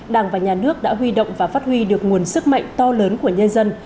đảng và nhà nước đã huy động và phát huy được nguồn sức mạnh to lớn của nhân dân